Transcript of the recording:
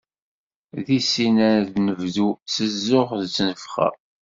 Di sin ad t-nebnu, s zzux d tnefxa.